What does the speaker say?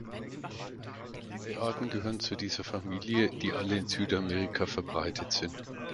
Drei Arten gehören zu dieser Familie, die alle in Südamerika verbreitet sind.